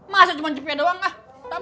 masa cuma cepek doang lah